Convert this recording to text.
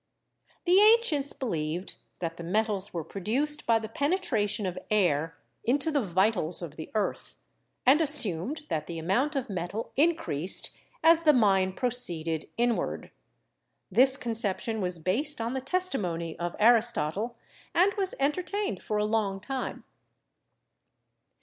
The ancients believed that the metals were produced by the penetration of air into the vitals of the earth, and as sumed that the amount of metal increased as the mine proceeded inward. This conception was based on the testi mony of Aristotle and was entertained for a long time.